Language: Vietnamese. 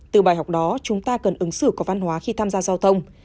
từ bài học đó chúng ta cần ứng xử có văn hóa khi tham gia giao thông